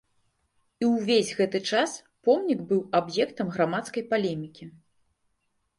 І ўвесь гэты час помнік быў аб'ектам грамадскай палемікі.